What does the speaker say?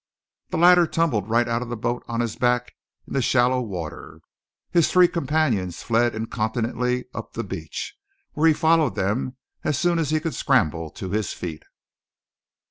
The latter tumbled right out of the boat on his back in the shallow water. His three companions fled incontinently up the beach, where he followed them as soon as he could scramble to his feet.